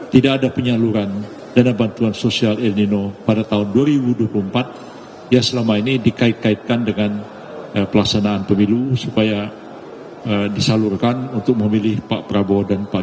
tidak ada penyaluran dana bantuan sosial ilnino